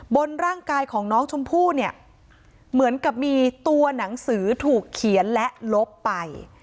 บนร่างกายของน้องชมพู่เนี่ยเหมือนกับมีตัวหนังสือถูกเขียนและลบไป